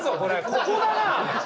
ここだな！